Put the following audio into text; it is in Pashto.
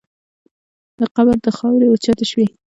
د قبر خاورې اوچتې شوې.